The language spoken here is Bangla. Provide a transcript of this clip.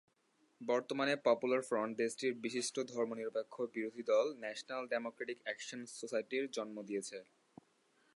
বর্তমানে পপুলার ফ্রন্ট দেশটির বিশিষ্ট ধর্মনিরপেক্ষ বিরোধী দল ন্যাশনাল ডেমোক্র্যাটিক অ্যাকশন সোসাইটির জন্ম দিয়েছে।